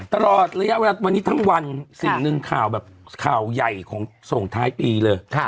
ตลอดระยะเวลาวันนี้ทั้งวันสิ่งหนึ่งข่าวแบบข่าวใหญ่ของส่งท้ายปีเลย